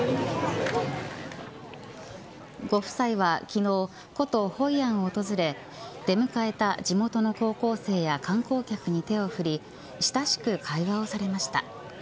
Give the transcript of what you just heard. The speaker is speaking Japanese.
ご夫妻は昨日古都ホイアンを訪れ出迎えた地元の高校生や観光客に手を振り親しく会話をされました。